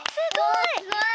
すごい！